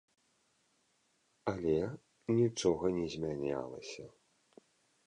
Але нічога не змянялася.